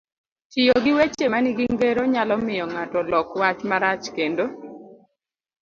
Tiyo gi weche manigi ngero nyalo miyo ng'ato lok wach marach, kendo